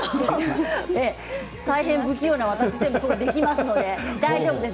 大変不器用な私でもできますので大丈夫です。